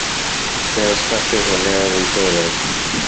Their instructions were narrowly tailored.